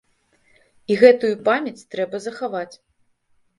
І гэтую памяць трэба захаваць.